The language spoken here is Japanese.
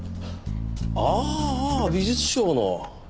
ああああ美術商の。